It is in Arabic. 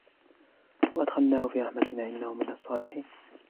وأدخلناه في رحمتنا إنه من الصالحين